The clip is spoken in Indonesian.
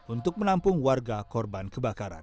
untuk menampung warga korban kebakaran